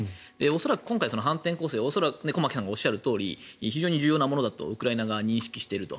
恐らく今回の反転攻勢駒木さんがおっしゃるように非常に重要なものだとウクライナ側は認識していると。